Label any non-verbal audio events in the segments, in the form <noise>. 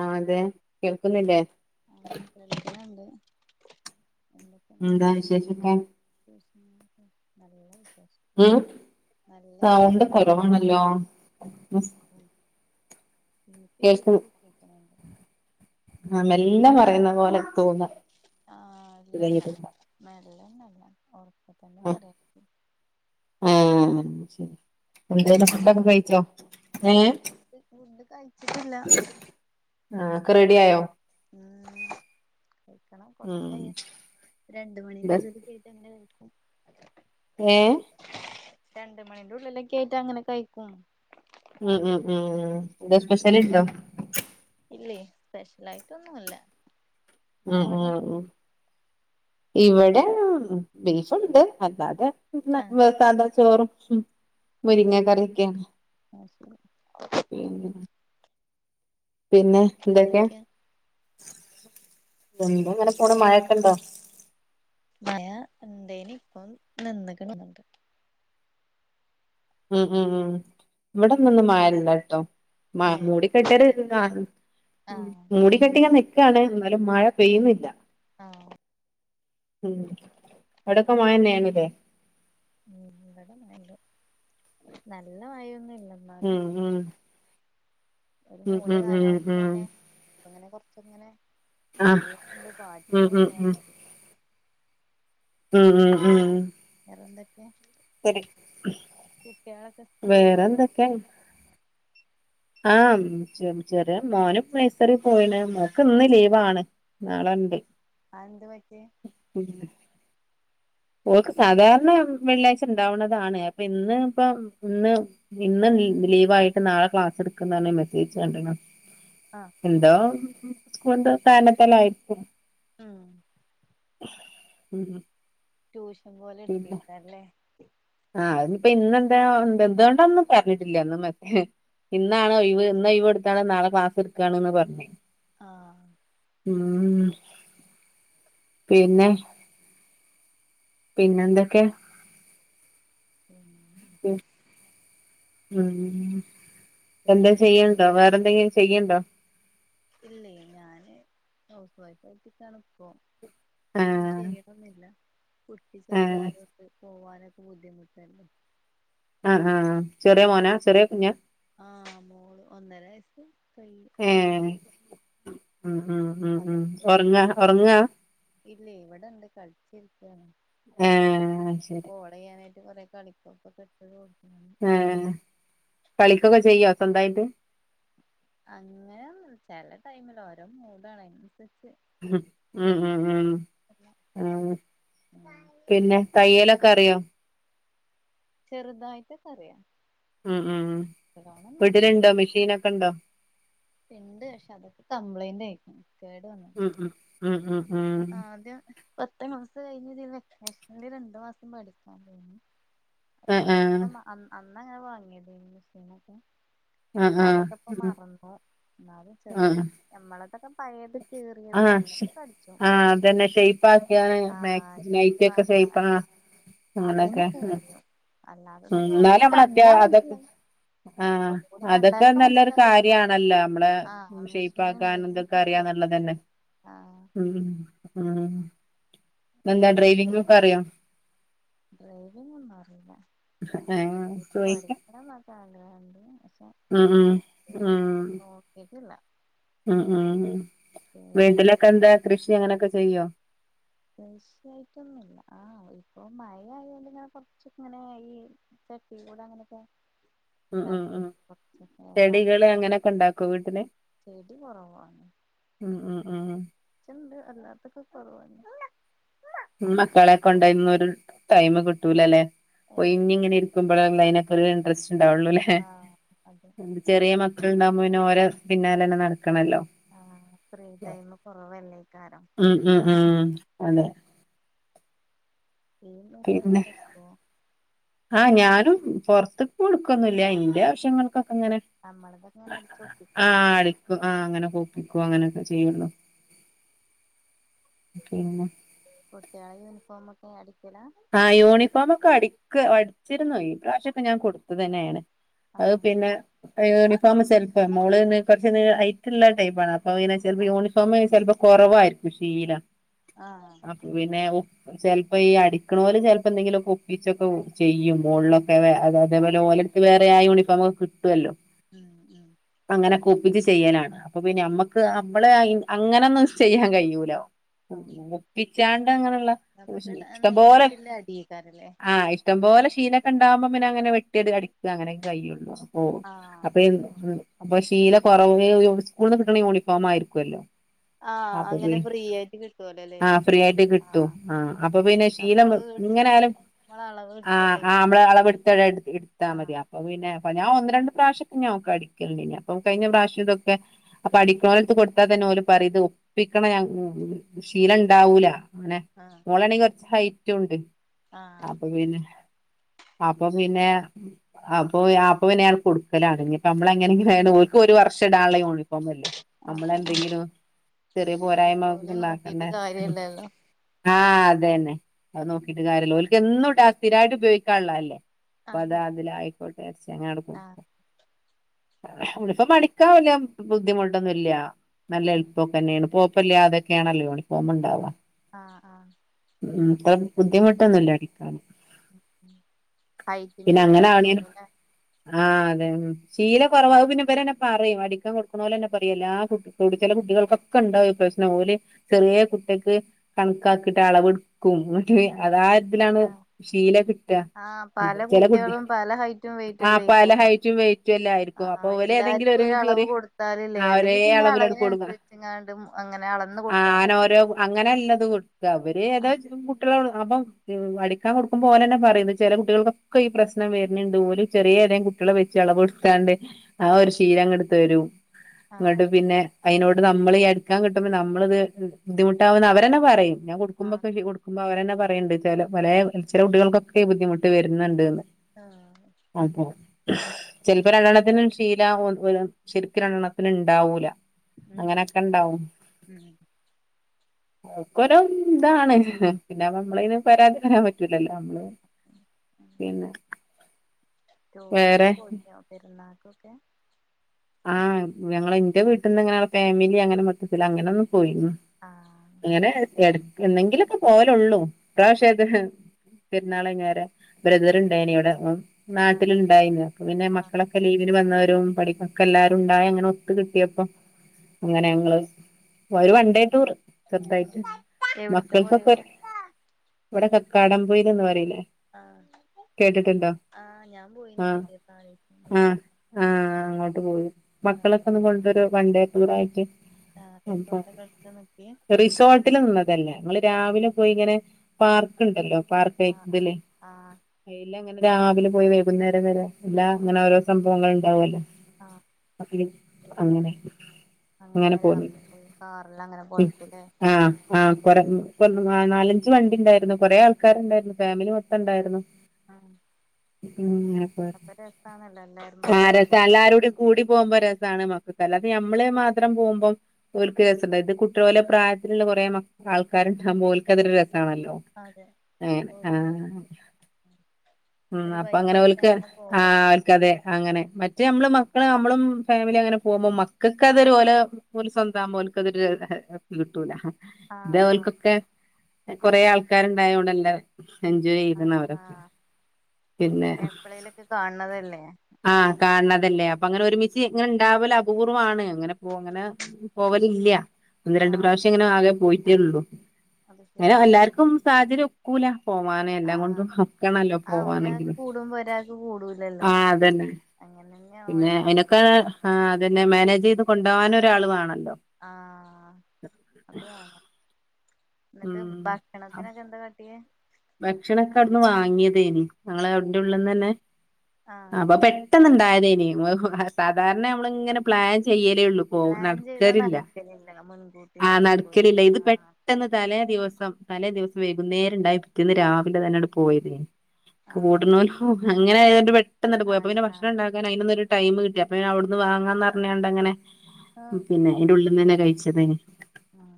ആഅതെ കേൾക്കുന്നില്ലേ ആ കേൾക്കാന്ന്ണ്ട് എന്താ വിശേഷോക്കെ ഉം അതെ ഉം സൗണ്ട് വിശേഷം കുറവാണല്ലോ എനിക്ക് കേൾക്കു ശരിക്ക്‌ കേക്കണണ്ട് <inaudible> എല്ലാം പറയുന്ന പോലെ തോന്ന ഇത് കഴിഞ്ഞിട്ട് ല്ലല്ല ഉറപ്പ തന്നെ പറയത്തി ആ ശെരി മ് എന്താടെ ഏഹ് ഫുഡ് കഴിച്ചിട്ടില്ല ആ ഒക്കെ റെഡി ആയോ ഉം കഴിക്കണം കൊറച്ച ഉം കയം രണ്ട് മണീന്റെ ഉള്ളിലെക്കെ ആയിട്ട് അങ്ങനെ കഴിക്കും ഏ രണ്ട് മണിന്റെ ഉള്ളിലൊക്കെ ആയിട്ട് അങ്ങനെ കഴിക്കും ഉം ഉം ഉം ഉം ന്താ സ്പഷ്യല്? സ്പെഷ്യൽ ആയിട്ടൊന്നുല്ല ആഹ് ആഹ് ഉ ഇവിടെ ബീഫുണ്ട് അല്ലാതെ ആഹ് ന്നാ സാധാ ചോറും ആഹ് മുരിങ്ങ കറിയൊക്കെയാണ് ശരി പിന്ന് പിന്നെ എന്തൊക്കെയാ? ന്ത ഇങ്ങനെ പോണ മഴൊക്കെണ്ടോ? മയാ ഉണ്ടേനി ഇപ്പൊ നിന്ന്ക്കണ് ഉം ഉം ഉം ഇവിടന്നൊന്നും ന്ന്‌ മയല്ലട്ടോ മ ഏഹ് മൂടിക്കെട്ടരു ഇത് കാണുന്നു ഉം ആഹ് മൂടി കെട്ടിങ്ങനെ നിക്കാണ് എന്നാലും മഴ പെയ്യുന്നില്ല ആഹ് ഉം അവിടക്കെ മയന്നെയാന്ന്‌ ല്ലേ ഉടെ മഴ ഉണ്ട് നല്ല മഴൊന്നുംല.. ഉം ഉം ഒരു ഉം മൂടിയ ഉം ഉം കാലാവസ്ഥ ഉം ന്നെ. പ്പങ്ങനെ കൊറച്ചങ്ങനെ ആഹ് ചെളിയന ഉണ്ട് ഉം ഉം പാറ്റണുംണ്ട് ഉം <unintelligible> ഉം ഉം ഉം വേറെന്തൊക്കെ കുട്ട്യാളൊക്കെ സ്കൂളില് പോയോ എടിവേറേന്തെക്കെ ആം ചെ ചെറിയെ മോൻ പ്പൊ നൈസറി പോയിണ്. മോക്ക് ഇന്ന് ലീവാണ് നാളണ്ട് ആ എന്ത്, പറ്റി ഓൾക് സാധാരണ വെള്ളിയാഴ്ച ണ്ടാവ്ണതാണ്. അപ്പൊ ഇന്ന് പ്പംന്ന്. ഇന്ന് ലീ ലീവായിട്ട് നാളെ. ക്ലാസ് ടുക്കുന്നാണ് മെസേജ് കണ്ട ആഹ് എന്തോമ്മ് സ്കൂളിന്റെ. കാരണതലായിരിക്കും ഉം ഹ്ഹ് ട്യൂഷൻ പോലെ എടുകേകാരല്ലേ നിപ്പ ഇന്നെന്താ. <unintelligible> <unintelligible> എന്തുണ്ട. ഒന്നും പറഞ്ഞിട്ടില്ല ന്ന്. മറ്റേ <unintelligible> ഇന്നാണോ ഒയിവ് ഇന്ന് ഒയിവോട്ത നാളെ ക്ലാസ് എടുക്കാണ്ന്ന് പറഞ്ഞ് ആഹ് മ്മ് ഹ് ഉം പിന്നെ. ഹേ പിന്നെ എന്താക്കെ പിന്നെ മ്മ്മ്മ് എന്താ ടൂറൊക്കെ പോയി ചെയ്യണ്ടോ വേറെന്തെങ്കി ചെയ്യണ്ടോ ഇല്ലേ. ഞാന് ഹൗസ് വൈഫ്ആയിട്ടിക്കണപ്പോ മ് ആഹ് ചെയ്യണംന്നില്ല കുഷി ആഹ് ചെറുതായ ഒക്കെ പോവാനൊക്കെ ബുദ്ധിമുട്ടല്ലോ <unintelligible> ആഹ് ആഹ് ചെറിയ മോനാ ചെറിയ കുഞ്ഞ ആ മോൾഒന്നര വയസ് കൈയിണ് കൈഞ്ഞു. ഉഉ ഒറങ്ങ ഒറങ്ങ ഇല്ലേ ഇവിടെണ്ട് കളിച്ചിരിക്കാണ് ഏഹ് ശരി ഓള് യ്യാനായിട്ട് കൊറെേകളിപട്ടങ്ങ എടുത്തു കൊടിത്തെകുവാ ആ ഏ കളിക്കൊക്കെ ചെയ്യോ സ്വന്തായിട്ട് അങ്ങെനെ ന്നു ചേലെ ടൈമില് ഓരോ മൂടാണ് ഉം ഉം ഉം തെരക്കല്ല ഉ ഉം പിന്നെ തയ്യലൊക്കെ അറിയോ ചെറുതായിട്ടൊക്കറിയാ ഉം ഉം ഉ വീട്ടിലുണ്ടോ മെഷീനൊക്കെ ഉണ്ടോ പിണ്ട്ഷേ അതൊക്കെ. കംപ്ലൈന്റെയി കേട് വന്ന്. ഉം ഉം ഉം ഉം ഉം ആദ്യം പത്ത് മാസം ഏയ്ഞ്ഞ് വെക്കേഷൽ. രണ്ടു മാസം പഠിക്കാൻ പോയിന്ന് പഷേ ആഹ് അതക്കെ ആഹ് ഇപ്പൊ മ അന്ന് ആ ന്നങ്ങനെ. വാങ്ങിയത്. മെഷീനൊക്കെ ആഹ് ആഹ് അതൊക്കെ പ്പം ഉം മറന്നു ന്നാലും. ചെറുതായി നമ്മളതൊക്കം ആ, ആ, അതന്നെ ശൈപക്യ ആ മേ. മൈറ്റി കൊ ഷെയ്. പ്പാ അതിനൊകെ കൈയ്യും അല്ലാതെ ഒന്ന് കണ്ടാ മനസിലാ ആ, ഹ, അതൊക്കെ നല്ലൊരു മനസ്സിലാവെയ്ക്കാരം കാര്യണല്ലോ നമ്മളെ ആ മെഷീൻ ശൈപ്പാക്കാന്റെക്കെ. ഉണ്ടെങ്കിലൊക്കെ ശരിയാവും അറിയാന്നുള്ളതന്നെ ആ ഉം. പ എന്താ. ഡ്രൈവിങ്‌. ഒക്കെ അറിയോ ഡ്രൈവിങ്. ഒന്നും അറീല. ഏഹ് ചോയിക്ക ഇപ്പടിക്കണം ആ ഉം ഉം ഉം...... നോക്കിട്ടില്ല ഉം ഉം ഉം..... പേടിയാണ് വീട്ടിലൊക്കെ എന്താ കൃഷി അങ്ങനെയൊക്കെ ചെയ്യോ കൃഷിയായിട്ടൊന്നുല്ല ആ ഇപ്പൊ മയ ആയോണ്ട് ഇങ്ങനെ കൊറച്ച ഇങ്ങനെ ഈ ചട്ടി കൂടെ അങ്ങനെയൊക്കെ. ഉം ഉം ഉണ്ടാക്കി ഉം കൊറച്ച് ചെടികൾ മത്തന അങ്ങനൊക്കെ ഉണ്ടാക്കോ വീട്ടിൽ. ചെടി കുറവാണ്. ഉം ഉ ഉം. ടിണ്ട് അല്ലാത്തൊക്കെ കൊറവാണ്. മക്കളെ കൊണ്ടയ്നൊരു ടൈം കിട്ടൂലല്ലേ ഒയ്ഞ് ഇങ്ങനെ ഏഹ് ഇരിക്കുമ്പോഴള്ള ല്ലയ്നക് ഇൻട്രസ്റ്റ് ഉണ്ടാവുള്ളു ല്ലെ ആഹ് അതെ ചെറിയ മക്കൾ ഉണ്ടാവുമ്പോരെ പിന്നാലന്നെ നട ക്കണല്ലോ ആഹ് ഫ്രീ ടൈം കുറവല്ലേക്കാരം ഉം ഉം ഉം അതെ. മെഷീനടിക്കോ? ആ ഞാനും പുറത്ത് കൊടുക്കൊന്നില്ല ന്റെ ആവശ്യങ്ങൾക്കൊ അങ്ങനെ നമ്മളതൊക്കെ ഇങ്ങനെ ആ അടിച്ചൊപ്പിക്കലേ അടിക്കും ആ അങ്ങനെ കോപ്പിക്കും അങ്ങനക്കെ. ചെയ്യൊള്ളു പിന്നെ. കുട്ടിയാളെ യൂണിഫോമക്കെ അടിക്കോ. ആ യൂണിഫോമക്കെ അടിക്ക് അടിച്ചിരുന്നു ഈ പ്രാവശ്യൊക്കെ ഞാൻ കൊടു ത്ത അതോ തന്നെണ് അത് ആഹ് പിന്നെ യൂണിഫോം ചെല്പെ മോൾ കുറച്ച് നീ ഹൈ റ്റുള്ള ടൈപ്പാണ് അപ്പൊ പിന്നെ ചെൽപ്പോ ആഹ് യൂണിഫോം ചിലപ്പോ കുറവായിരിക്കും ശീല. ആഹ് പിന്നെ ചിലപ്പോ ഈ അടിക്ക്ണോൽ ചെൽപ്പോ എന്തെങ്കിലുക്ക ഒപ്പി ചോക്കെ ചെയ്യും മോള്ലൊക്കെ അ അതേപോലെ ആഹ് ആഹ് ഓലെടുത്ത് വേറെ ആ യൂണിഫോമക്കെ കിട്ട് ല്ലോ ഉം ഉം അങ്ങനെ. കുപ്പിച്ച് ചെയ്യാലാണ് അപ്പൊ പിന്നെ നമ്മക്ക് നമ്മളെ അങ്ങനൊന്നും ചെയ്യാൻ കഴിയൂലോ. ആഹ് വെപ്പിച്ചാണ്ട് അങ്ങനെള്ള. നമുക്ക് ഇഷ്ടംപോലെ നേരിട്ടില്ല അടിയേക്കാരല്ലേ ആ ഇഷ്ടംപോലെ ശീല ണ്ടാവുമ്പ പിന്നെ അങ്ങനെ വെട്ടിയടിക്ക അങ്ങനെൊക്കെ കയ്യുള്ളു ഓ ആഹ് അപ്പൊ. അപ്പൊ ശീല കുറവ് സ്കൂൾന്ന് കിട്ടണ യൂണിഫോം ആയിരിക്കുവല്ലോ. ആഹ് അപ്പൊ അങ്ങനെ ഫ്രീ ആയിട്ട് കിട്ടുവല്ലോല്ലേ ആ ഫ്രീ ആയിട്ട് കിട്ടു ആഹ് ആ അപ്പൊ പിന്നെ. നമ്മള് മേടിച്ചാണെ എങ്ങനയാലും പിന്നെ നമ്മള അളവ് ആ എടുത്തല്ലേ ഞമ്മളെ പ്പെട്താണേൽ ഇട്ത ആഹ് മതി അപ്പൊ പിന്നെ. എ ഞാൻ ഒന്ന് രണ്ട് പ്രാവശ്യൊക്കെ ഞാനൊക്കെ അടിക്കല്ണ്ടേനി അപ്പൊ കഴിഞ്ഞ പ്രാവശ്യ ഇതൊക്കെ അപ്പൊ അടിക്കണോലെട്ത്ത് കൊടുത്ത. അപ്പ പിന്നെ ഓൽ പറിം ഒപ്പിക്കണ ശീലം ഉണ്ടാവൂല. അങ്ങനെ ആഹ് മോളണങ്കി കൊറച്ച് ഹൈറ്റുണ്ട് ആഹ് അപ്പൊ പിന്നെ. അപ്പൊ പിന്നെ അപ്പൊ അപ്പൊ പിന്നെ ഞാൻ കൊടുക്കലാണ് നിപ്പോ നമ്മളങ്ങനെങ്കിലും. തായാലും ഓൽക്ക് ഒരു വർഷം ഇടനുള്ള യൂണി ഫോമല്ലേ അതന്നെ നമ്മളെന്തെങ്കിലും ചെറിയ പോരായ്മക്കെ അടിക്കൂലി നോക്കീട്ട് ഇണ്ടാക്കണ്ടേ. കാര്യല്ലല്ലോ ആ അതന്നെ. അത് നോക്കിട്ട് കാര്യല്ല്യ ഒൽക്ക് എന്നും ഇട സ്ഥിരായിട്ട് ഉപയോഗിക്കാനിള്ളല്ലേ അപ്പ അത അതെ ആതിലായിക്കോട്ടെച്ച്. ചങ്ങട്ക്കും. ആഹ് യൂണിഫോം അടിക്കാൻ വെല്യ ബുദ്ധിമുട്ടൊന്നൂല്യ നല്ല എള്പ്പൊക്കെന്നെണ് പൊ. പൊല്യതക്കെണല്ല യൂണിഫോം ണ്ടാവാ. ആഹ് ആഹ്. ത്ര ബുദ്ധിമുട്ടൊന്നുല്യ അടിക്കാന് കൈത്തിന്റെ പിന്നെ ഒരു അങ്ങനെ ആവണേന് പ്രശ്നെള്ളുലെ. ആഹ് അതെ ശീല കുറവാ അത് പിന്നെ ഇവരെന്നെ പറയും അടിക്കാൻ കൊടുക്കുന്നോലെന്നേ പറിം എല്ലാ കുടിച്ചില. ട്ടികൾക്കൊക്കെ ഉണ്ടാവു പ്രശ്നം ഓല് ചെറിയ കുട്ടിക്ക് കണക്കാക്കിട്ട അളവ് ഇട് ക്കും ട്ട് അതായത്. തിലാണ് ആഹ് ഷീല കിട്ട ആഹ് പല ചെല കുട്ടി കുട്ടികളും പല ഹൈറ്റും വെയിറ്റും ആഹ് പല അല്ലേക്കാരം ഹയ്റ്റും വെയ് വയ്റ്റല്ലായിരിക്കും അപ്പൊ ആഹ് ഓല് എല്ലാർക്കും ഏതെങ്കിലൊരു ഒരളവ് ചെറിയ കൊടുത്താലില്ലേ ആ ഒരേ അല്ലെങ്കി പിന്നെ അളവിലെട്ക്കൊള്ളു. അളവിനനുസരിച്ച്ങ്ങാണ്ട് അങ്ങനെ അളന്ന് ആഹ് കൊടുക്കാൻ പറയും അനൊരു അങ്ങനല്ലത് കൊടുക്ക ഇവര് ഏതാ ആഹ് ക്കിള്ളോര് അപ്പം പി അടിക്കാ കൊടുക്കുമ്പോ ഓലന്നെ പറിം ഇത് ചെലകുട്ടികൾക്കൊക്കെ ഈ പ്രശണം വര്ന്ണ്ട് ഓൽ ചെറീ യെതെങ്കിലും കുട്ടിയ്യാളെ വെച്ച് അളവെട്ത്താണ്ട് ആ ഒരു ശീലങ്ങട്ട് തരും ഇന്നട്ട് ആഹ് പിന്നെ. അയിനോട് നമ്മള് അടിക്കാൻ കിട്ടുമ്പോ നമ്മളിത് ബുദ്ധിമുട്ടാവുന്ന് അവരന്നെ പറയും ഞാൻ ആഹ് കൊടക്കുമ്പോക്കെ കൊട്ക്ക് മ് മ്പവരന്നെ പറയ്ണ്ട് ചെല പലേ ചെല കുട്ടികൾക്കൊക്കെ ഈ ബുദ്ധിമുട്ട് വെര്ന്ന് ണ്ട്ന്ന് ആഹ് ചെൽപ്പോ രണ്ടെണ്ണത്തിനും ശീലാവൊ <unintelligible> ശെരിക്ക് രണ്ടെണ്ണത്തിന് ണ്ടാവൂല ഉം അങ്ങനെക്കെ ഇണ്ടാവും ഉം അക്കൊരം ഇതാണ് പിന്നെ നമ്മളിന് പരാതി പറയാൻ പറ്റൂലല്ലോ നമ്മള് പിന്നെ റ്റൂറൊക്കെ വേറെ പോയിനോ പെരുന്നാക്കൊക്കെ ആഹ് ഞങ്ങള് ന്റെ വീട്ട്ന്ന് ങ്ങനെയുള്ള ഫാമിലി അങ്ങനെ മൊത്തത്തില് അങ്ങനൊന്നും പോയിന്നു അങ്ങനെ എടക്ക് എന്നെങ്കിലൊക്കെ പോവലൊള്ളൂ ഇപ്രാവശ്യ അത് പെരുന്നാൾങ്ങരെ ബ്രദർണ്ടായിനിവ്ടെ ഓൻ നാട്ടില്ണ്ടായിന്ന് പ്പൊ പിന്നെ മക്കളൊക്കെ ലീവിന് വന്നവരും പഠിക്ക ക്കെല്ലാരും ഉണ്ടായി അങ്ങനെ ഒത്ത് കിട്ടിയപ്പോ അങ്ങനെ ഞങ്ങള് ഒരു വൺണ്ടേ ടൂർ ചെറുതായിട്ട് എവിടക്കാ പോയത് മക്കൾക്കൊക്കെ ഇവിടെ കക്കാടംപൊയിലന്ന് പറയില്ലേ ആഹ് കേട്ടിട്ടുണ്ടോ ആഹ് ഞാൻ പോയിനി ആഹ് അങ്ങട്ട് നാലീസം ആഹ് ആഹ് മുമ്പ് ആഹ് അങ്ങോട്ട് ഉം മക്കളൊക്കെ ഒന്ന് കൊണ്ടരോ വൺ ഡേ റ്റൂറായിറ്റ് ആഹ് അപ്പൊ റിസോർട്ടൊക്കെ എടുത്ത് നിക്കേ റിസോർട്ടില് നിന്നതല്ല ങ്ങള് രാവിലെ പോയി ഇങ്ങനെ ആഹ് പാർക്ക് ഇണ്ടല്ലോ പാർക്ക് ആഹ് <unintelligible> ആഹ് തില് ആഹ് അയിലങ്ങനെ രാവിലെ പോയി വൈകുന്നേരം വരെ എല്ല ങ്ങനെ ഓരോ സംഭവങ്ങള്ണ്ടാവൊല്ലോ ആഹ് <unintelligible> അങ്ങനെ അങ്ങനെ രാവിലെ പോയി കാറിലങ്ങനെ ഉം പോയേക്കും ലേ ആഹ് ആഹ് <unintelligible> നാലഞ്ച് വണ്ടി ണ്ടായിരുന്നു കൊറേ ആൾക്കാരുണ്ടായിരുന്നു ഫാമിലി മൊത്തം ണ്ടായിരുന്നു ആഹ് ഇങ്ങനെ പറിം അപ്പൊ രസാണല്ലോ എല്ലാരും കൂടി ആവുമ്പോ ആരെര്ത്താ എല്ലാരൂടിം കൂടി പോവുമ്പോ രസാണ് മക്കക്കെല്ലാം ഇത്‌ യമ്മള് മാത്രം പോവ്മ്പം ഓൽക്ക് രസണ്ടാ ഇത് കുട്ടിയോലെ പ്രാ തില് ള്ളെ കൊറേ മക്ക് ആൾക്കാരുണ്ടാവുമ്പോ ഓല്ക്ക അതൊരു ര ആണല്ലോ അതെ അങ്ങനെ ഓക്കെ അങ്ങനങ്ങനങ്ങനെ ഉം ഒരു അപ്പ വൈബായിട്ട് അങ്ങനോൽക്ക് അങ്ങനെ പോവാ ആഹ് ഓൽക്കതെ അങ്ങനെ മറ്റേ നമ്മള് മ മ്മാ നമ്മളും ഫാമിലി അങ്ങനെ പോകും മക്കൾക്ക് അതൊരു ഓലോ ഒരു സ്വന്തമാവുമ്പോ ഓലക്ക് അതൊരു ഇത് കിട്ടൂല ആഹ് ആഹ് ഇതേപോൽക്കൊക്കെ കൊറേ ആൾക്കാര്ണ്ടായോണ്ട് അല്ലേ എൻജോയ് ആഹ് ചെയ്ക്കണ് അവരൊക്കെ ആഹ് പിന്നെ എപ്പളേലൊക്കെ കാണണതല്ലേ അപ്പൊ ആഹ് കാൺണതല്ലേ അപ്പൊ അപ്പ അങ്ങനെ ഒരുമിച്ച് ഇങ്ങനെ ഇണ്ടാവല് അപൂർവാണ് അങ്ങനെ പോ ങ്ങനെ പോവലില്ല ഒന്ന് രണ്ട് ആഹ് പ്രാവശ്യേ ഇങ്ങനെ ആകെ പോയിട്ടേള്ളൂ അത് ശരി അങ്ങനെ എല്ലാര്ക്കും സാഹചര്യം ഒക്കൂല പോവാണേ എല്ലാം ആഹ് കൊണ്ടും നൊക്കണല്ലോ ആഹ് ഒരാൾക്ക് പോവാനെങ്കില് കൂടുമ്പോ ആഹ് അതന്നെ അങ്ങനെ പിന്നെ അയിനൊക്കെ ആ അതന്നെ മാനേജ് ചെയ്ത് കൊണ്ടോവാൻ ഒരാൾ വേണ ആഹ് അത് വേണം എന്നട്ട് ഉം ബാക്കിയെണ്ണത്തിന്ക്കെ എന്താകാട്ടിയെ ഭക്ഷണൊക്കെ അവിടുന്ന് വാങ്ങിയതേനു ഞങ്ങളെ അതിന്റെ ഉള്ളിൽന്ന് തന്നെ ആഹ് അപ്പൊ പെട്ടെന്ന ഇണ്ടായതനി സാധാരണ അമ്മകളിങ്ങനെ പ്ലാൻ ചെയ്യ തെയുള്ളപ്പോ പ്ലാൻ ചെയ്താ നടക്കലില്ല നടക്കലില്ല മുൻകൂട്ടി ആഹ് നടക്കൂല നടക്കലില്ല ഇത് ആഹ് പെട്ടെന്ന് തലേ ദിവസം തലേ ദിവസം വൈകുന്നേരം ഇണ്ടായി പിറ്റേന്ന് രാവിലെ തന്നെ ആണ്ട് പോയതേനി ആഹ് കൂട്ണോൽക്ക് കൂടാ അങ്ങനെയായതോണ്ട് പെട്ടെന്നട്ട പോയി അപ്പോ പിന്നെ ഭഷണം ആഹ് ഉണ്ടാക്കാനയിനൊന്ന് ഒരു ടൈം കിട്ടിയ അപ്പഴെ അവിടുന്ന് വാങ്ങാന്ന് പറഞ്ഞാണ്ട് അങ്ങനെ ആഹ് പിന്നെ അയിൻ്റുള്ളിന്ന് തന്നെ കഴിച്ചത് ആഹ്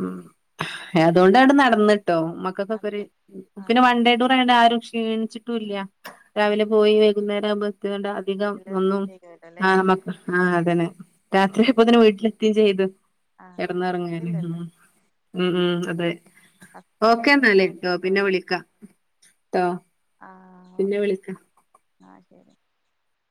ഉം അതുകൊണ്ട അത് നടന്നിട്ടോ അതെ <unintelligible> പിന്നെ വൺ ആഹ് ഡേ ടൂർ ആയോണ്ട് ആരും ക്ഷീണിച്ചിട്ടും ഇല്ല്യ ആഹ് രാവിലെ പോയി വൈ ന്നേരാമ്പത്ത്ങ്ങണ്ട് അധികം വീട്ടില് എത്തും ഒന്നും ചെയ്യോലോല്ലേ ആഹ മ്മക്ക് ആഹ അതന്നെ ആഹ് രാത്രിഅയ്യപ്പൊത്തന്നെ വീട്ടിലെത്തിയും ചെയ്തു ആഹ് കിടന്നൊർങ്ങാന റിസ്കില്ലല്ലോ ഉ ഉം അച്ഛന്റെ നല്ലട്ടോ പിന്നെ വിളിക്കാ ട്ടോ ആഹ് പിന്നെ ഓക്കെ വിളിക്ക <inaudible>